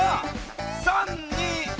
３２１！